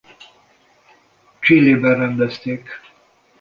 Chilében rendezték.